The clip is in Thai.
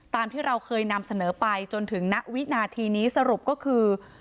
ตามที่เราเคยนำเสนอไปจนถึงณวินาทีนี้สรุปก็คือ